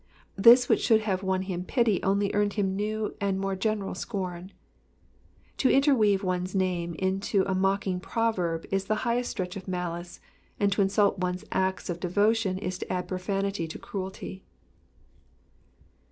'' This which should have won him pity only earned him new and more general scorn. To interweave one's name into a mocking proverb is the highest stretch of malice, and to insult one's acts of devotion is to add profanity to cruelty.